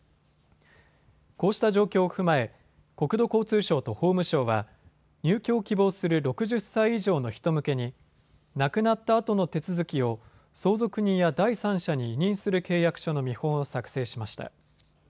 こうした状況を踏まえ国土交通省と法務省は入居を希望する６０歳以上の人向けに亡くなったあとの手続きを相続人や第三者に委任する契約書の見本を作成しました。